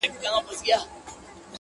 بیا ویشتلی د چا سترګو مستانه یې-